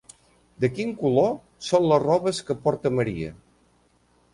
De quin color són les robes que porta Maria?